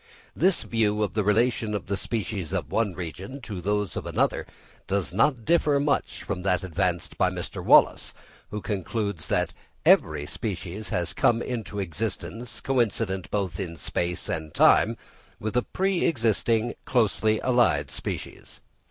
This view of the relation of the species of one region to those of another, does not differ much from that advanced by Mr. Wallace, who concludes that "every species has come into existence coincident both in space and time with a pre existing closely allied species."